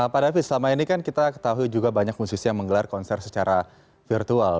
pak david selama ini kan kita ketahui juga banyak musisi yang menggelar konser secara virtual